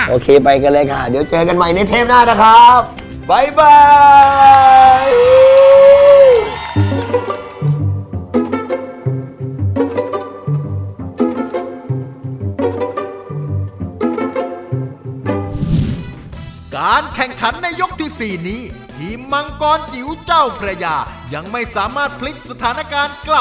โอเคไปกันเลยค่ะเดี๋ยวเจอกันใหม่ในเทปหน้านะคะ